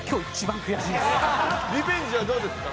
リベンジはどうですか？